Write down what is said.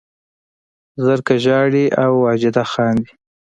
زرکه ژاړي او واجده خاندي